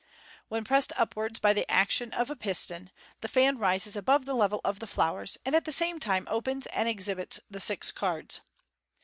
When pressed upwards by the action of a piston, the fan rises above the level of the flowers, and at the same time opens and exhibits the six cards.